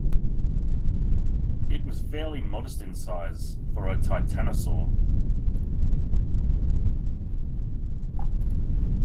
It was fairly modest in size, for a titanosaur.